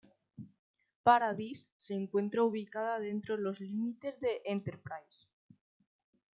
Paradise se encuentra ubicada dentro de los límites de Enterprise.